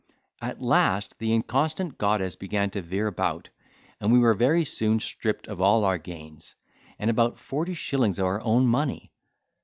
At last the inconstant goddess began to veer about, and we were very soon stripped of all our gains, and about forty shillings of our own money.